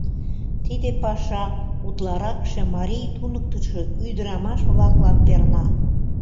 Тиде паша утларакше марий туныктышо ӱдырамаш-влаклан перна.